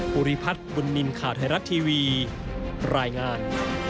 ภูริพัฒน์บุญนินทร์ข่าวไทยรัฐทีวีรายงาน